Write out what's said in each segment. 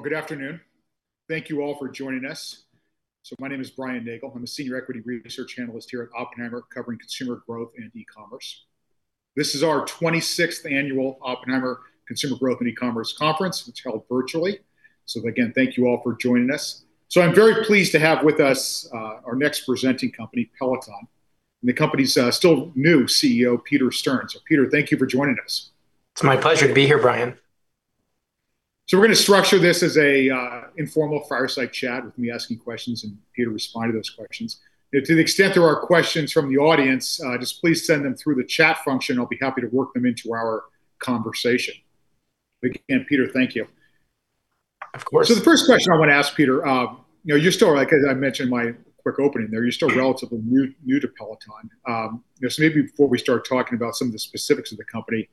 Good afternoon. Thank you all for joining us. My name is Brian Nagel. I'm a Senior Equity Research Analyst here at Oppenheimer, covering consumer growth and e-commerce. This is our 26th annual Oppenheimer Consumer Growth and E-commerce Conference. It's held virtually. Again, thank you all for joining us. I'm very pleased to have with us our next presenting company, Peloton, and the company's still new CEO, Peter Stern. Peter, thank you for joining us. It's my pleasure to be here, Brian. We're going to structure this as an informal fireside chat with me asking questions and Peter responding to those questions. To the extent there are questions from the audience, just please send them through the chat function and I'll be happy to work them into our conversation. Again, Peter, thank you. Of course. The first question I want to ask Peter, as I mentioned in my quick opening there, you're still relatively new to Peloton. Maybe before we start talking about some of the specifics of the company,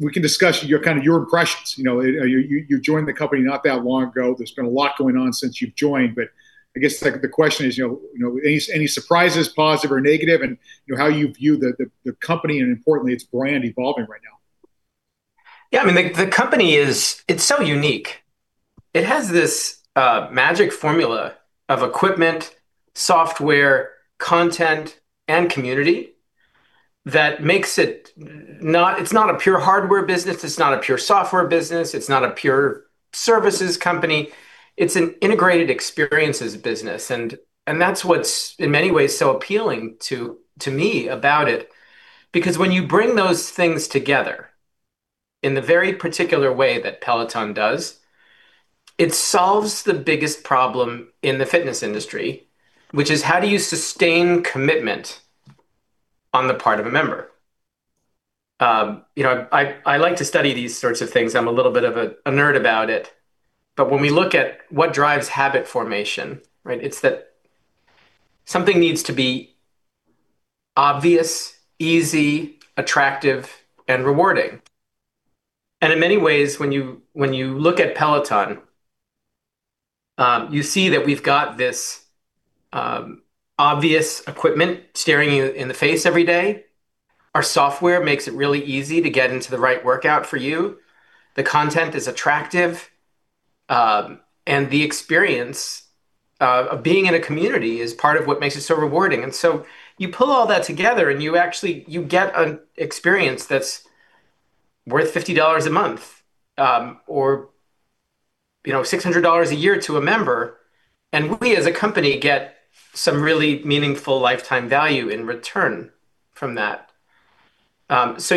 we can discuss your impressions. You joined the company not that long ago. There's been a lot going on since you've joined, but I guess the question is, any surprises, positive or negative, and how you view the company and importantly its brand evolving right now? Yeah, the company is so unique. It has this magic formula of equipment, software, content, and community that makes it not a pure hardware business, it's not a pure software business, it's not a pure services company. It's an integrated experiences business. That's what's, in many ways, so appealing to me about it. When you bring those things together in the very particular way that Peloton does, it solves the biggest problem in the fitness industry, which is how do you sustain commitment on the part of a member? I like to study these sorts of things. I'm a little bit of a nerd about it. When we look at what drives habit formation, it's that something needs to be obvious, easy, attractive, and rewarding. In many ways, when you look at Peloton, you see that we've got this obvious equipment staring you in the face every day. Our software makes it really easy to get into the right workout for you. The content is attractive. The experience of being in a community is part of what makes it so rewarding. You pull all that together and you actually get an experience that's worth $50 a month, or $600 a year to a member. We, as a company, get some really meaningful lifetime value in return from that. That's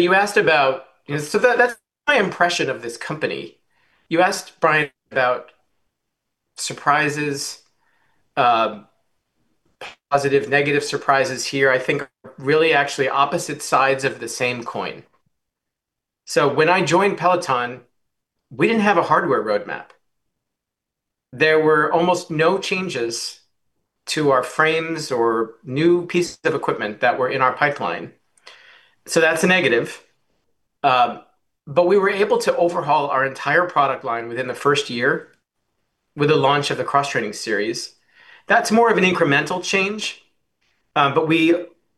my impression of this company. You asked, Brian, about surprises, positive, negative surprises here. I think are really actually opposite sides of the same coin. When I joined Peloton, we didn't have a hardware roadmap. There were almost no changes to our frames or new pieces of equipment that were in our pipeline. That's a negative. We were able to overhaul our entire product line within the first year with the launch of the Cross Training Series. That's more of an incremental change.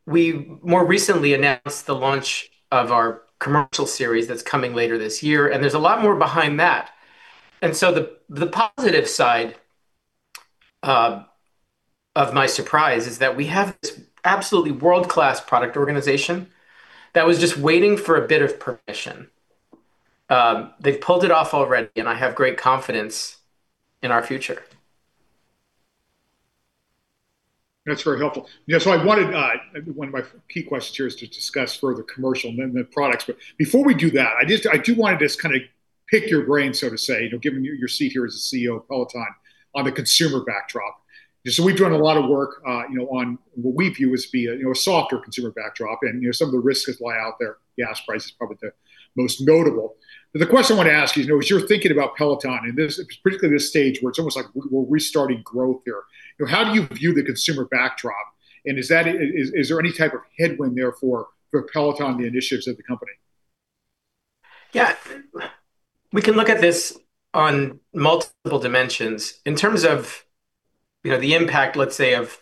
We more recently announced the launch of our Commercial Series that's coming later this year, and there's a lot more behind that. The positive side of my surprise is that we have this absolutely world-class product organization that was just waiting for a bit of permission. They've pulled it off already, and I have great confidence in our future. That's very helpful. One of my key questions here is to discuss further commercial and then the products. Before we do that, I do want to just pick your brain, so to say, given your seat here as the CEO of Peloton, on the consumer backdrop. We've done a lot of work on what we view as a softer consumer backdrop and some of the risks that lie out there. Gas price is probably the most notable. The question I want to ask you is, as you're thinking about Peloton and particularly this stage where it's almost like we're restarting growth here, how do you view the consumer backdrop? Is there any type of headwind there for Peloton and the initiatives of the company? We can look at this on multiple dimensions. In terms of the impact, let's say, of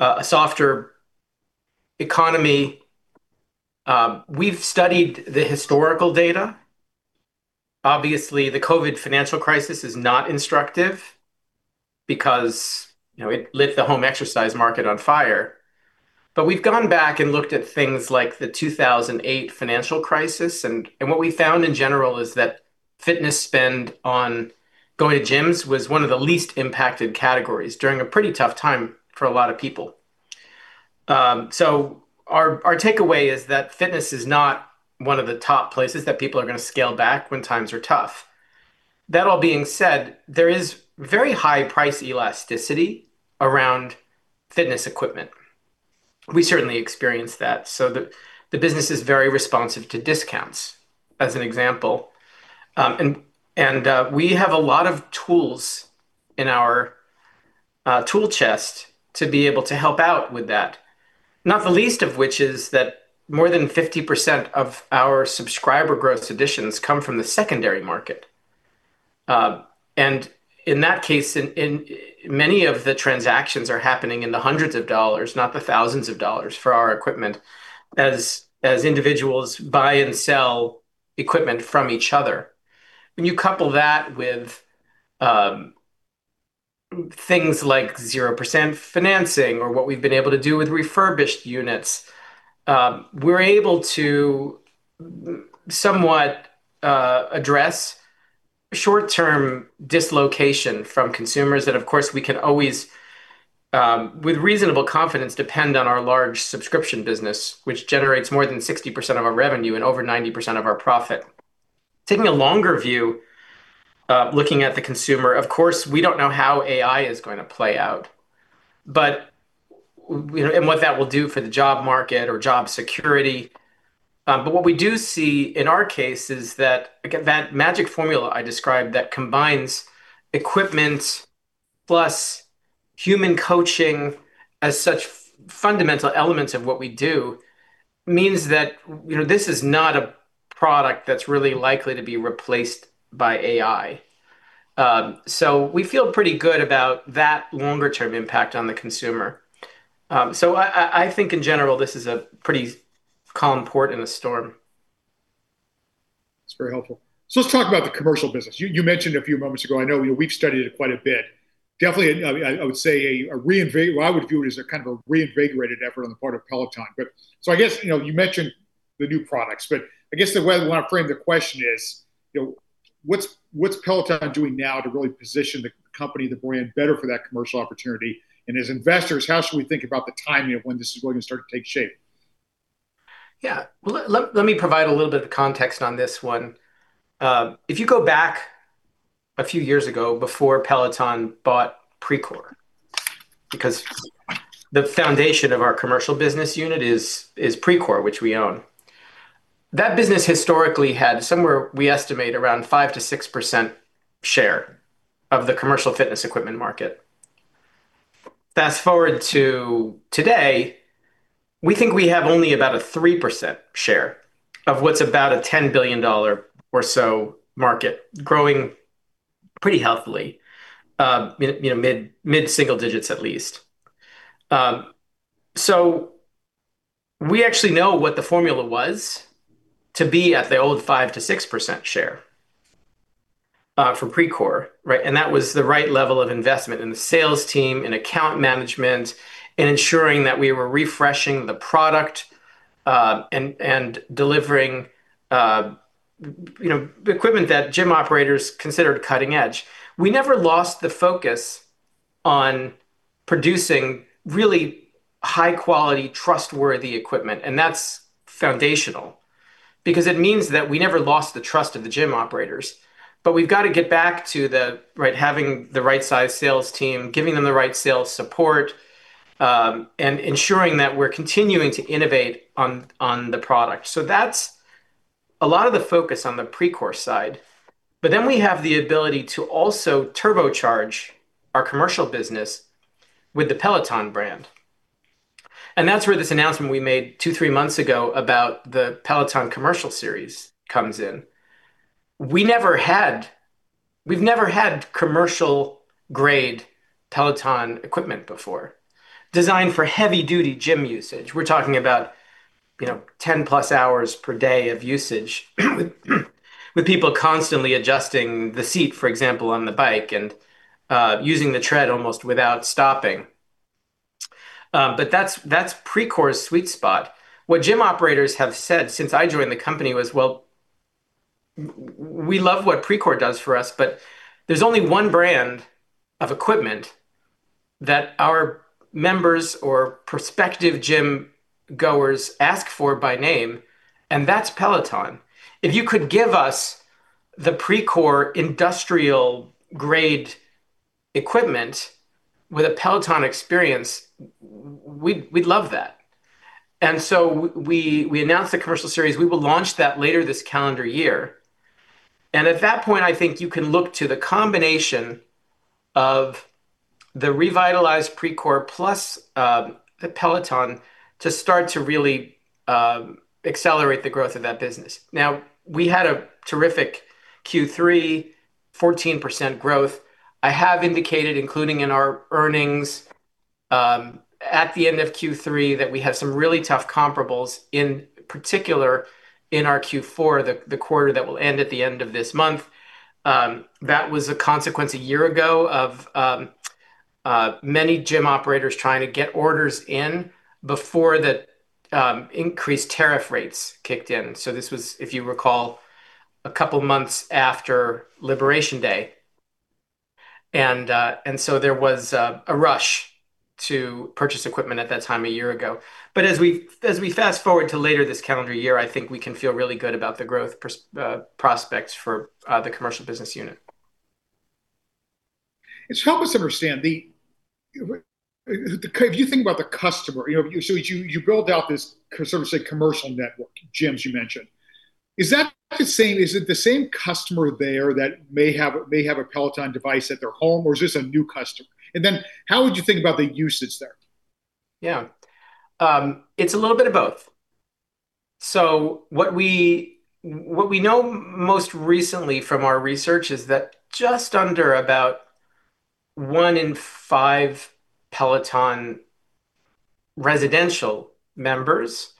a softer economy, we've studied the historical data. Obviously, the COVID financial crisis is not instructive because it lit the home exercise market on fire. We've gone back and looked at things like the 2008 financial crisis. What we found in general is that fitness spend on going to gyms was one of the least impacted categories during a pretty tough time for a lot of people. Our takeaway is that fitness is not one of the top places that people are going to scale back when times are tough. That all being said, there is very high price elasticity around fitness equipment. We certainly experience that. The business is very responsive to discounts, as an example. We have a lot of tools in our tool chest to be able to help out with that. Not the least of which is that more than 50% of our subscriber growth additions come from the secondary market. In that case, many of the transactions are happening in the hundreds of dollars, not the thousands of dollars, for our equipment, as individuals buy and sell equipment from each other. When you couple that with things like 0% financing or what we've been able to do with refurbished units, we're able to somewhat address short-term dislocation from consumers that, of course, we can always, with reasonable confidence, depend on our large subscription business, which generates more than 60% of our revenue and over 90% of our profit. Taking a longer view, looking at the consumer, of course, we don't know how AI is going to play out and what that will do for the job market or job security. What we do see in our case is that magic formula I described that combines equipment plus human coaching as such fundamental elements of what we do means that this is not a product that's really likely to be replaced by AI. We feel pretty good about that longer-term impact on the consumer. I think, in general, this is a pretty calm port in the storm. That's very helpful. Let's talk about the commercial business. You mentioned a few moments ago, I know we've studied it quite a bit. Definitely, I would view it as a kind of a reinvigorated effort on the part of Peloton. I guess, you mentioned the new products, but I guess the way I want to frame the question is, what's Peloton doing now to really position the company, the brand, better for that commercial opportunity? As investors, how should we think about the timing of when this is going to start to take shape? Yeah. Let me provide a little bit of context on this one. If you go back a few years ago, before Peloton bought Precor, because the foundation of our commercial business unit is Precor, which we own. That business historically had somewhere, we estimate, around 5%-6% share of the commercial fitness equipment market. Fast-forward to today, we think we have only about a 3% share of what's about a $10 billion or so market, growing pretty healthily. Mid-single digits, at least. We actually know what the formula was to be at the old 5%-6% share for Precor, right? That was the right level of investment in the sales team and account management and ensuring that we were refreshing the product and delivering equipment that gym operators considered cutting-edge. We never lost the focus on producing really high-quality, trustworthy equipment. That's foundational, because it means that we never lost the trust of the gym operators. We've got to get back to having the right-sized sales team, giving them the right sales support, and ensuring that we're continuing to innovate on the product. That's a lot of the focus on the Precor side. We have the ability to also turbocharge our commercial business with the Peloton brand. That's where this announcement we made two, three months ago about the Peloton Commercial Series comes in. We've never had commercial-grade Peloton equipment before, designed for heavy-duty gym usage. We're talking about 10+ hours per day of usage, with people constantly adjusting the seat, for example, on the bike, and using the tread almost without stopping. That's Precor's sweet spot. What gym operators have said since I joined the company was, "Well, we love what Precor does for us, but there's only one brand of equipment that our members or prospective gym-goers ask for by name, and that's Peloton. If you could give us the Precor industrial-grade equipment with a Peloton experience, we'd love that." We announced the Commercial Series. We will launch that later this calendar year. At that point, I think you can look to the combination of the revitalized Precor plus Peloton to start to really accelerate the growth of that business. Now, we had a terrific Q3, 14% growth. I have indicated, including in our earnings at the end of Q3, that we have some really tough comparables, in particular in our Q4, the quarter that will end at the end of this month. That was a consequence a year ago of many gym operators trying to get orders in before the increased tariff rates kicked in. This was, if you recall, a couple of months after Liberation Day. There was a rush to purchase equipment at that time a year ago. As we fast-forward to later this calendar year, I think we can feel really good about the growth prospects for the commercial business unit. Help us understand. If you think about the customer, you build out this sort of, say, commercial network, gyms, you mentioned. Is it the same customer there that may have a Peloton device at their home, or is this a new customer? How would you think about the usage there? Yeah. It's a little bit of both. What we know most recently from our research is that just under about one in five Peloton residential members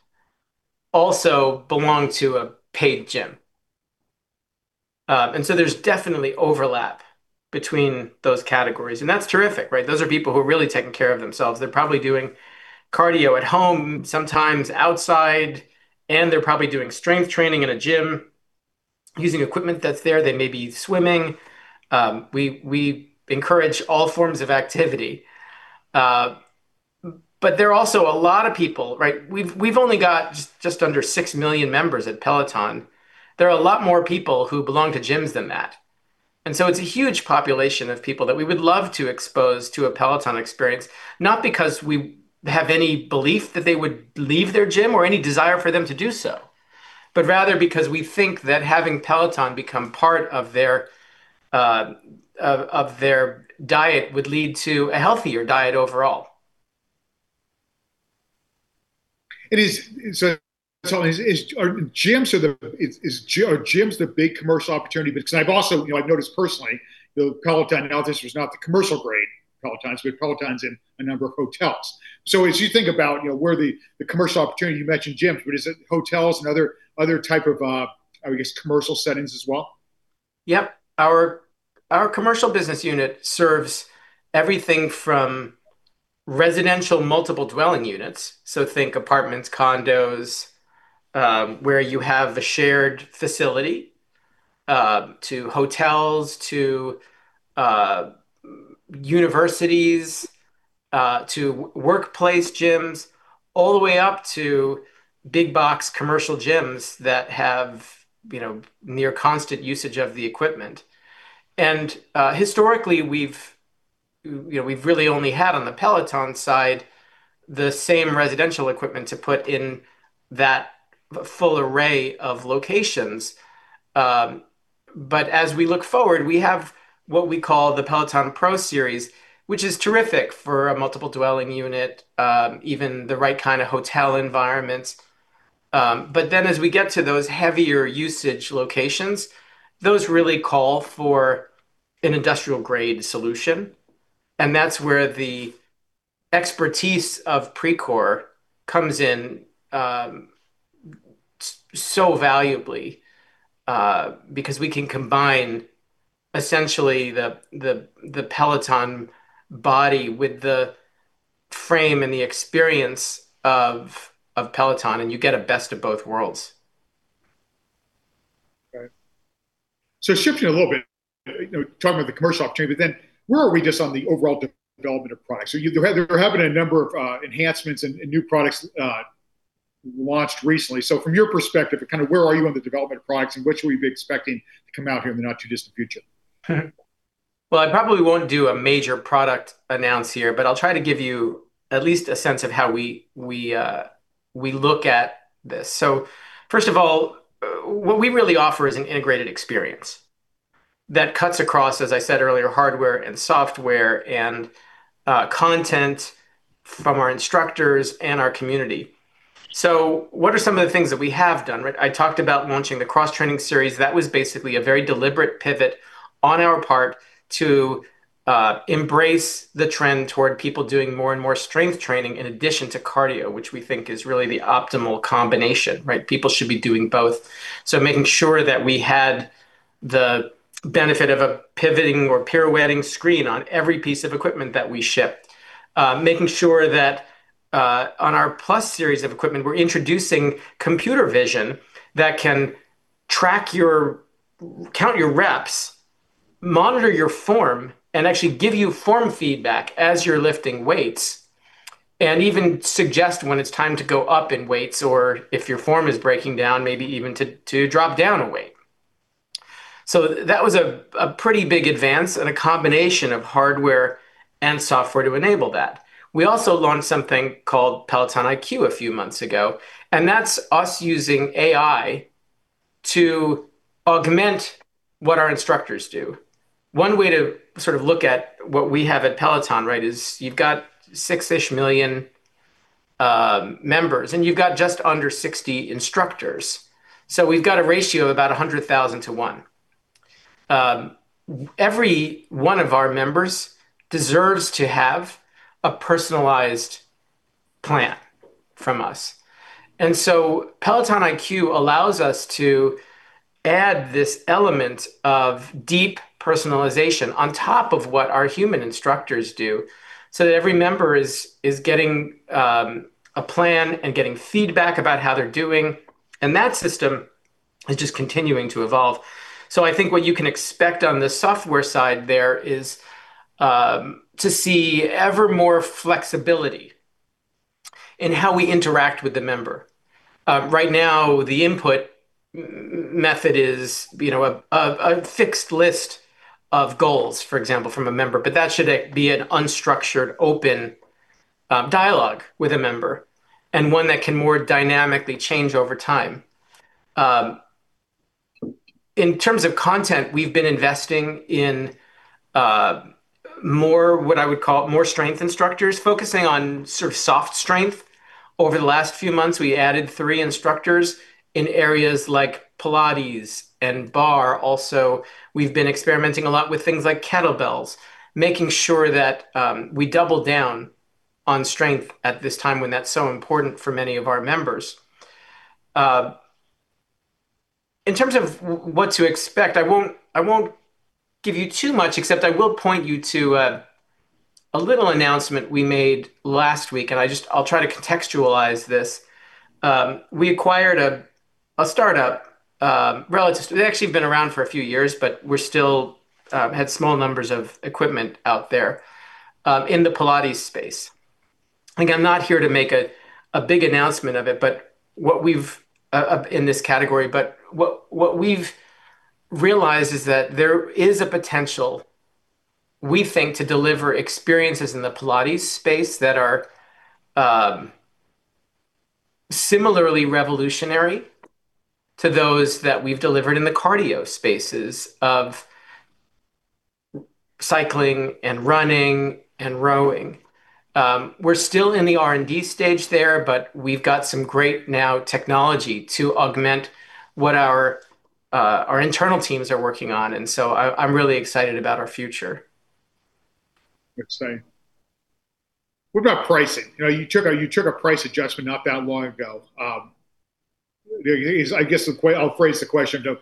also belong to a paid gym. There's definitely overlap between those categories, and that's terrific, right? Those are people who are really taking care of themselves. They're probably doing cardio at home, sometimes outside, and they're probably doing strength training in a gym using equipment that's there. They may be swimming. We encourage all forms of activity. There are also a lot of people, right? We've only got just under 6 million members at Peloton. There are a lot more people who belong to gyms than that. It's a huge population of people that we would love to expose to a Peloton experience, not because we have any belief that they would leave their gym or any desire for them to do so, but rather because we think that having Peloton become part of their diet would lead to a healthier diet overall. Are gyms the big commercial opportunity? I've also noticed personally, the Peloton in our office was not the commercial grade Pelotons. We have Pelotons in a number of hotels. As you think about where the commercial opportunity, you mentioned gyms, but is it hotels and other type of, I would guess, commercial settings as well? Yep. Our commercial business unit serves everything from residential multiple dwelling units, think apartments, condos, where you have a shared facility, to hotels, to universities, to workplace gyms, all the way up to big box commercial gyms that have near constant usage of the equipment. Historically, we've really only had on the Peloton side the same residential equipment to put in that full array of locations. As we look forward, we have what we call the Peloton Pro series, which is terrific for a multiple dwelling unit, even the right kind of hotel environments. As we get to those heavier usage locations, those really call for an industrial grade solution, and that's where the expertise of Precor comes in so valuably, because we can combine essentially the Peloton body with the frame and the experience of Peloton, and you get a best of both worlds. Okay. Shifting a little bit, talking about the commercial opportunity, where are we just on the overall development of products? You're having a number of enhancements and new products launched recently. From your perspective, where are you on the development of products, and what should we be expecting to come out here in the not too distant future? Well, I probably won't do a major product announce here, I'll try to give you at least a sense of how we look at this. First of all, what we really offer is an integrated experience that cuts across, as I said earlier, hardware and software and content from our instructors and our community. What are some of the things that we have done, right? I talked about launching the Cross Training Series. That was basically a very deliberate pivot on our part to embrace the trend toward people doing more and more strength training in addition to cardio, which we think is really the optimal combination, right? People should be doing both. Making sure that we had the benefit of a pivoting or pirouetting screen on every piece of equipment that we ship. Making sure that on our Plus series of equipment, we're introducing computer vision that can count your reps, monitor your form, and actually give you form feedback as you're lifting weights, and even suggest when it's time to go up in weights, or if your form is breaking down, maybe even to drop down a weight. That was a pretty big advance and a combination of hardware and software to enable that. We also launched something called Peloton IQ a few months ago, and that's us using AI to augment what our instructors do. One way to sort of look at what we have at Peloton, right, is you've got 6 million members, and you've got just under 60 instructors. We've got a ratio of about 100,000/1. Every one of our members deserves to have a personalized plan from us. Peloton IQ allows us to add this element of deep personalization on top of what our human instructors do, so that every member is getting a plan and getting feedback about how they're doing, and that system is just continuing to evolve. I think what you can expect on the software side there is to see ever more flexibility in how we interact with the member. Right now, the input method is a fixed list of goals, for example, from a member, but that should be an unstructured, open dialogue with a member and one that can more dynamically change over time. In terms of content, we've been investing in what I would call more strength instructors, focusing on sort of soft strength. Over the last few months, we added three instructors in areas like Pilates and Barre. Also, we've been experimenting a lot with things like kettlebells, making sure that we double down on strength at this time when that's so important for many of our members. In terms of what to expect, I won't give you too much, except I will point you to a little announcement we made last week, and I'll try to contextualize this. We acquired a startup. They've actually been around for a few years, but we're still had small numbers of equipment out there, in the Pilates space. Again, I'm not here to make a big announcement of it in this category, but what we've realized is that there is a potential, we think, to deliver experiences in the Pilates space that are similarly revolutionary to those that we've delivered in the cardio spaces of cycling and running and rowing. We're still in the R&D stage there, but we've got some great now technology to augment what our internal teams are working on. I'm really excited about our future. Exciting. What about pricing? You took a price adjustment not that long ago. I guess I'll phrase the question of,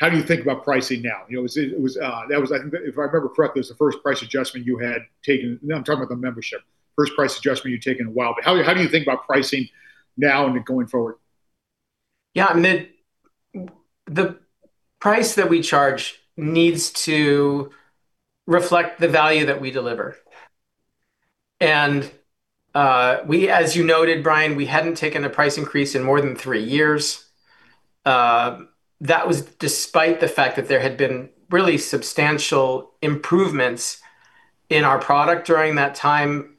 how do you think about pricing now? If I remember correctly, it was the first price adjustment you had taken. Now I'm talking about the membership. First price adjustment you had taken in a while. How do you think about pricing now and going forward? I mean, the price that we charge needs to reflect the value that we deliver. As you noted, Brian, we hadn't taken a price increase in more than three years. That was despite the fact that there had been really substantial improvements in our product during that time.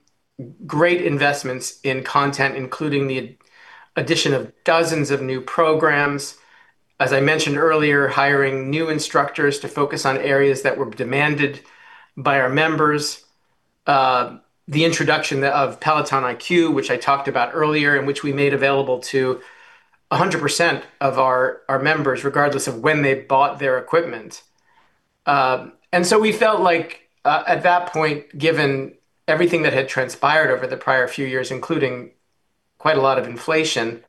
Great investments in content, including the addition of dozens of new programs, as I mentioned earlier, hiring new instructors to focus on areas that were demanded by our members. The introduction of Peloton IQ, which I talked about earlier, and which we made available to 100% of our members, regardless of when they bought their equipment. We felt like at that point, given everything that had transpired over the prior few years, including quite a lot of inflation,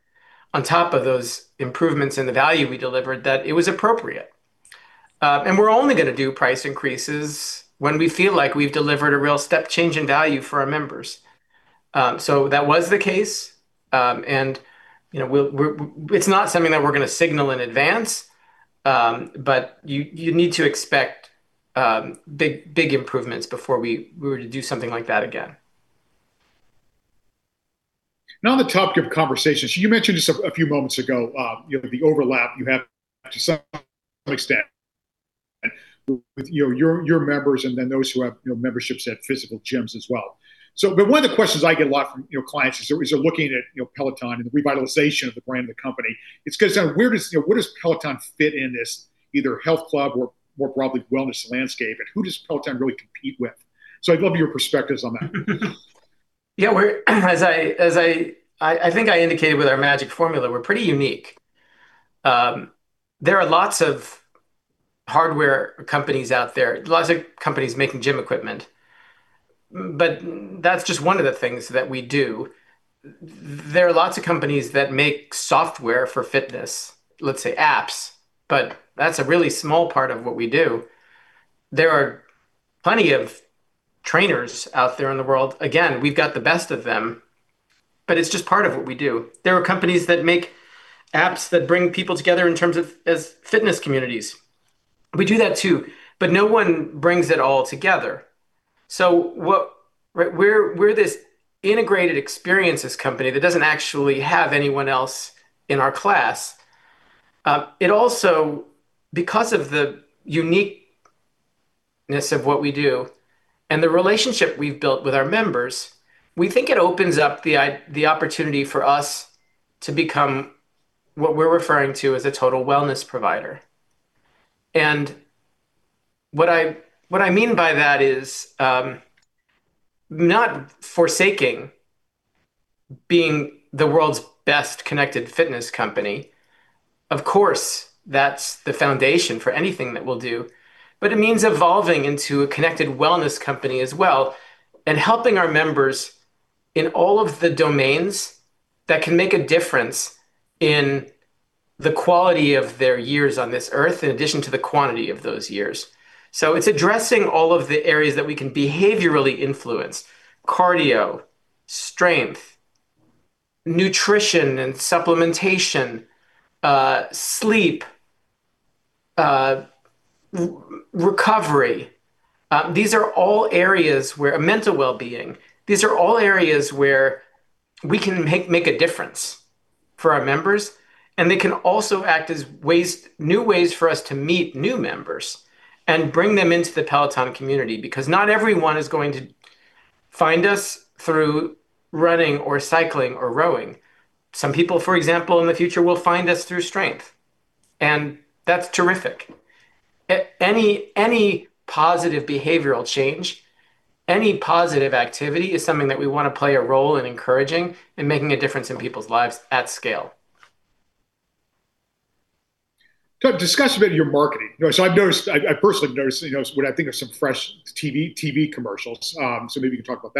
on top of those improvements in the value we delivered, that it was appropriate. We're only going to do price increases when we feel like we've delivered a real step change in value for our members. That was the case. It's not something that we're going to signal in advance, you need to expect big improvements before we were to do something like that again. Now on the topic of conversations, you mentioned just a few moments ago, the overlap you have to some extent with your members and then those who have memberships at physical gyms as well. One of the questions I get a lot from clients as they're looking at Peloton and the revitalization of the brand and the company, it's because where does Peloton fit in this either health club or more broadly, wellness landscape, and who does Peloton really compete with? I'd love your perspectives on that. I think I indicated with our magic formula, we're pretty unique. There are lots of hardware companies out there, lots of companies making gym equipment, but that's just one of the things that we do. There are lots of companies that make software for fitness, let's say apps, but that's a really small part of what we do. There are plenty of trainers out there in the world. Again, we've got the best of them, but it's just part of what we do. There are companies that make apps that bring people together in terms of as fitness communities. We do that too, but no one brings it all together. We're this integrated experiences company that doesn't actually have anyone else in our class. It also, because of the uniqueness of what we do and the relationship we've built with our members, we think it opens up the opportunity for us to become what we're referring to as a total wellness provider. What I mean by that is, not forsaking being the world's best connected fitness company. Of course, that's the foundation for anything that we'll do, but it means evolving into a connected wellness company as well and helping our members in all of the domains that can make a difference in the quality of their years on this earth, in addition to the quantity of those years. It's addressing all of the areas that we can behaviorally influence: cardio, strength, nutrition and supplementation, sleep, recovery, mental wellbeing. These are all areas where we can make a difference for our members, and they can also act as new ways for us to meet new members and bring them into the Peloton community. Not everyone is going to find us through running or cycling or rowing. Some people, for example, in the future, will find us through strength, and that's terrific. Any positive behavioral change, any positive activity is something that we want to play a role in encouraging and making a difference in people's lives at scale. Discuss a bit your marketing. I've noticed, I personally have noticed what I think are some fresh TV commercials. Maybe you can talk about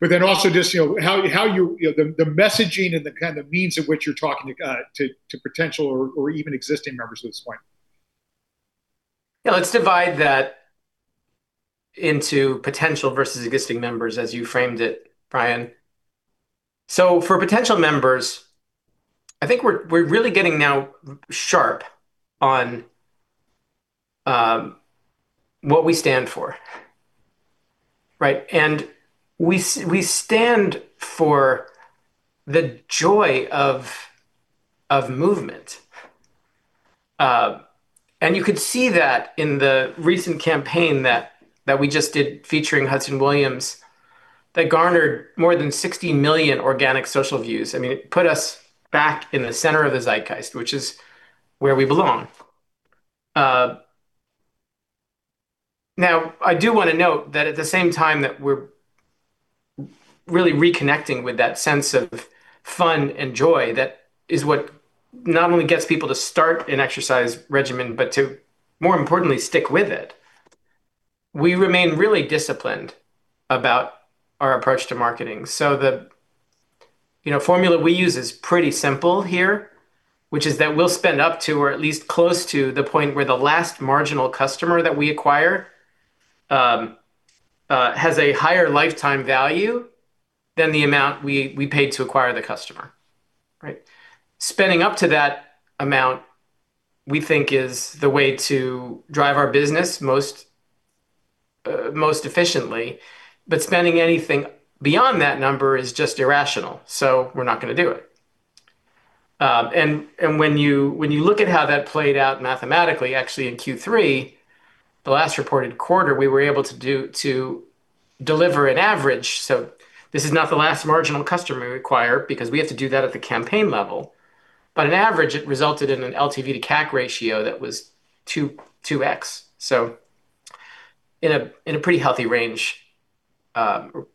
that. Also just how you, the messaging and the kind of means of which you're talking to potential or even existing members at this point. Yeah, let's divide that into potential versus existing members as you framed it, Brian. For potential members, I think we're really getting now sharp on what we stand for. Right? We stand for the joy of movement. You could see that in the recent campaign that we just did featuring Hutson Williams that garnered more than 60 million organic social views. It put us back in the center of the zeitgeist, which is where we belong. I do want to note that at the same time that we're really reconnecting with that sense of fun and joy, that is what not only gets people to start an exercise regimen, but to more importantly, stick with it. We remain really disciplined about our approach to marketing. The formula we use is pretty simple here, which is that we'll spend up to, or at least close to, the point where the last marginal customer that we acquire has a higher lifetime value than the amount we paid to acquire the customer. Right? Spending up to that amount we think is the way to drive our business most efficiently. Spending anything beyond that number is just irrational, so we're not going to do it. When you look at how that played out mathematically, actually in Q3, the last reported quarter, we were able to deliver an average. This is not the last marginal customer we require because we have to do that at the campaign level. On average, it resulted in an LTV to CAC ratio that was 2x. In a pretty healthy range,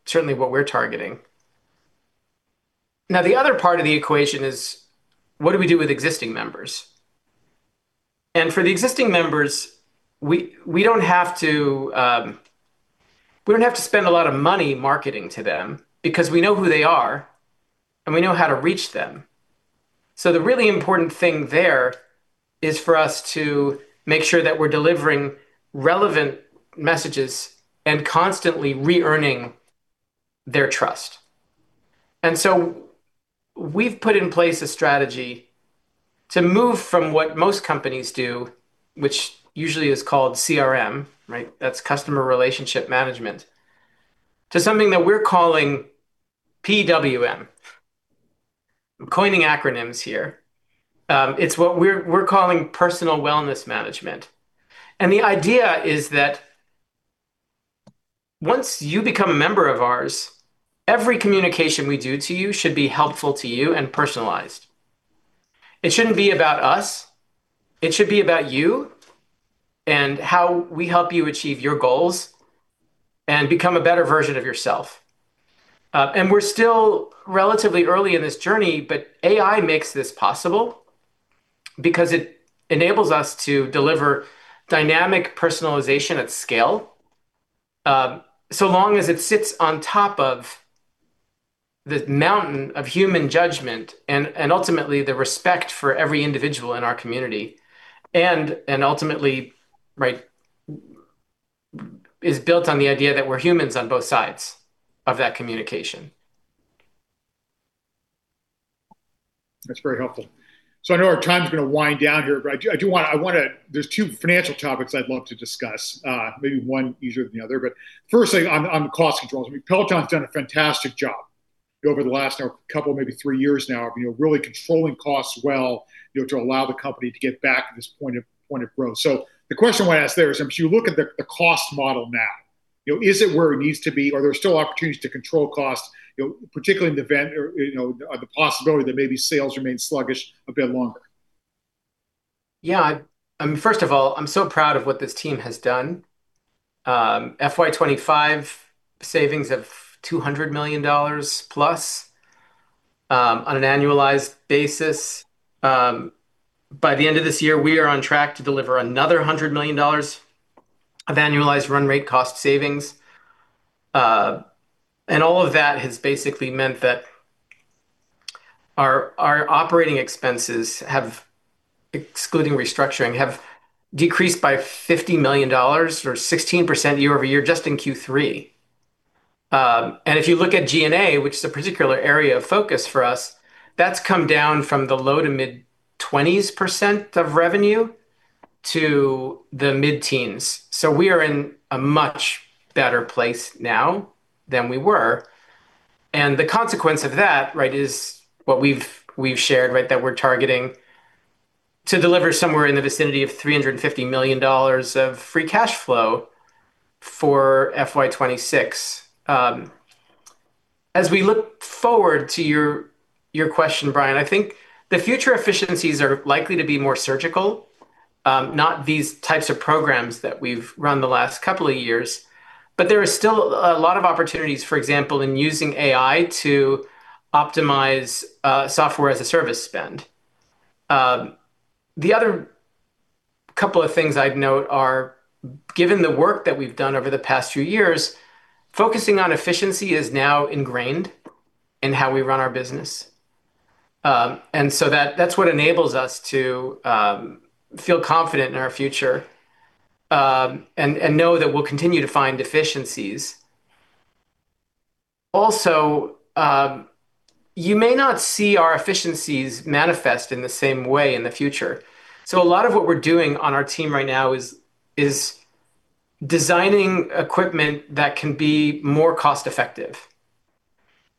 certainly what we're targeting. The other part of the equation is what do we do with existing members? For the existing members, we don't have to spend a lot of money marketing to them because we know who they are and we know how to reach them. The really important thing there is for us to make sure that we're delivering relevant messages and constantly re-earning their trust. We've put in place a strategy to move from what most companies do, which usually is called CRM, right? That's customer relationship management. To something that we're calling PWM. I'm coining acronyms here. It's what we're calling personal wellness management. The idea is that once you become a member of ours, every communication we do to you should be helpful to you and personalized. It shouldn't be about us. It should be about you and how we help you achieve your goals and become a better version of yourself. We're still relatively early in this journey, but AI makes this possible because it enables us to deliver dynamic personalization at scale, so long as it sits on top of the mountain of human judgment and ultimately the respect for every individual in our community. Ultimately, is built on the idea that we're humans on both sides of that communication. That's very helpful. I know our time's going to wind down here, but I do want to there's two financial topics I'd love to discuss. Maybe one easier than the other. First thing on cost controls. Peloton's done a fantastic job over the last couple, maybe three years now, of really controlling costs well to allow the company to get back to this point of growth. The question I want to ask there is as you look at the cost model now, is it where it needs to be or are there still opportunities to control cost, particularly in the event or the possibility that maybe sales remain sluggish a bit longer? First of all, I'm so proud of what this team has done. FY 2025 savings of $200 million+ on an annualized basis. By the end of this year, we are on track to deliver another $100 million of annualized run rate cost savings. All of that has basically meant that our operating expenses have, excluding restructuring, have decreased by $50 million or 16% year-over-year just in Q3. If you look at G&A, which is a particular area of focus for us, that's come down from the low to mid 20s% of revenue to the mid-teens. We are in a much better place now than we were. The consequence of that is what we've shared, that we're targeting to deliver somewhere in the vicinity of $350 million of free cash flow for FY 2026. As we look forward to your question, Brian, I think the future efficiencies are likely to be more surgical, not these types of programs that we've run the last couple of years. But there are still a lot of opportunities, for example, in using AI to optimize software as a service spend. The other couple of things I'd note are, given the work that we've done over the past few years, focusing on efficiency is now ingrained in how we run our business. That's what enables us to feel confident in our future, and know that we'll continue to find efficiencies. Also, you may not see our efficiencies manifest in the same way in the future. A lot of what we're doing on our team right now is designing equipment that can be more cost-effective.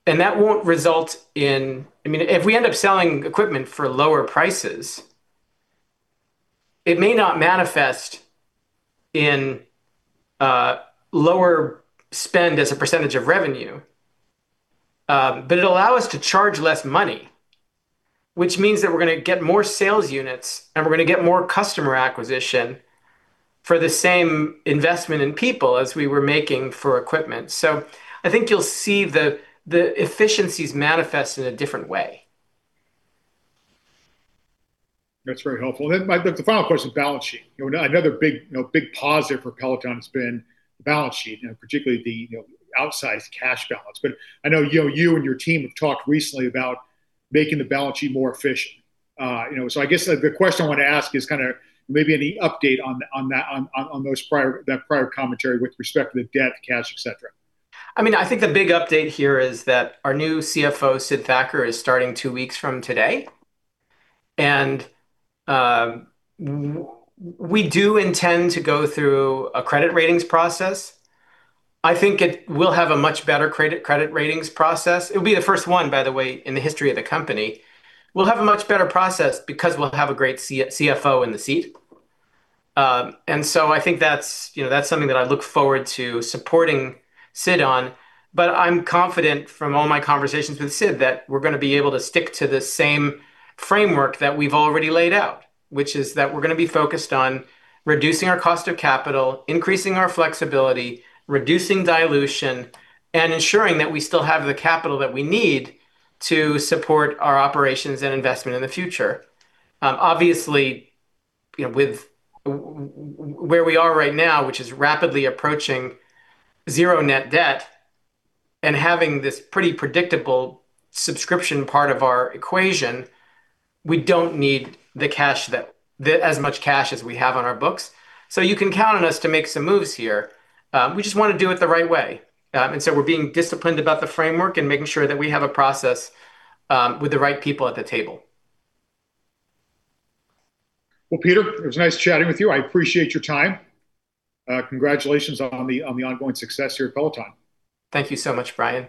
That won't result in If we end up selling equipment for lower prices, it may not manifest in lower spend as a % of revenue. But it'll allow us to charge less money, which means that we're going to get more sales units, and we're going to get more customer acquisition for the same investment in people as we were making for equipment. I think you'll see the efficiencies manifest in a different way. That's very helpful. The final question, balance sheet. Another big positive for Peloton has been the balance sheet, and particularly the outsized cash balance. I know you and your team have talked recently about making the balance sheet more efficient. I guess the question I want to ask is kind of maybe any update on that prior commentary with respect to the debt, cash, et cetera. I think the big update here is that our new CFO, Saquib Baig, is starting two weeks from today. We do intend to go through a credit ratings process. I think it will have a much better credit ratings process. It'll be the first one, by the way, in the history of the company. We'll have a much better process because we'll have a great CFO in the seat. I think that's something that I look forward to supporting Sid on. I'm confident from all my conversations with Sid that we're going to be able to stick to the same framework that we've already laid out. We're going to be focused on reducing our cost of capital, increasing our flexibility, reducing dilution, ensuring that we still have the capital that we need to support our operations and investment in the future. Obviously, with where we are right now, which is rapidly approaching zero net debt, and having this pretty predictable subscription part of our equation, we don't need as much cash as we have on our books. You can count on us to make some moves here. We just want to do it the right way. We're being disciplined about the framework and making sure that we have a process with the right people at the table. Well, Peter, it was nice chatting with you. I appreciate your time. Congratulations on the ongoing success here at Peloton. Thank you so much, Brian